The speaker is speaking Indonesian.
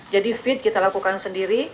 jadi fit kita lakukan sendiri